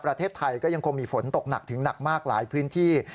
ประเทศไทยก็ยังคงมีฝนตกหนักถึงหนักมากหลายพื้นที่